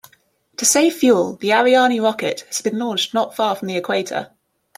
To save fuel, the Ariane rocket has been launched not far from the equator.